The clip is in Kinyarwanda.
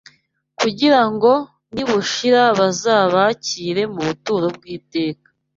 kugira ngo nibushira bazabākire mu buturo bw’iteka